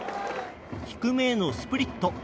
低めへのスプリット。